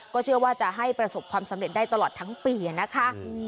เชื่อว่าจะให้ประสบความสำเร็จได้ตลอดทั้งปีนะคะ